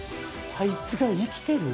あいつが生きてる？